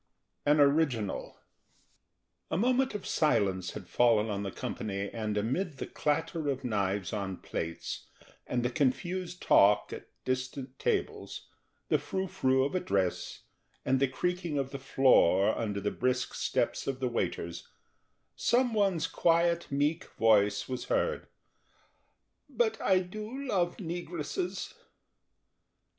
AN ORIGINAL A moment of silence had fallen on the company and amid the clatter of knives on plates, and the confused talk at distant tables, the froufrou of a dress, and the creaking of the floor under the brisk steps of the waiters, some one's quiet, meek voice was heard: "But I do love negresses."